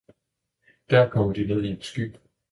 der kommer de ned i en sky.